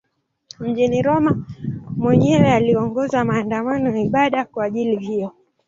Mjini Roma mwenyewe aliongoza maandamano ya ibada kwa ajili hiyo.